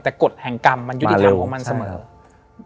แต่กฎแห่งกรรมมันยุติธรรมของมันเสมอ